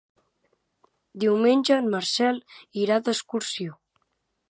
Diumenge en Marcel irà d'excursió.